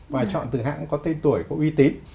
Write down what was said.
và chọn từ hãng có tên tuổi có uy tín